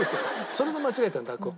それで間違えたの濁音。